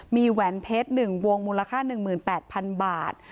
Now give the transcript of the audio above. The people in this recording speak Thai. มีแหวนเพชร๑วงมูลค่า๑๘๐๐๐บาท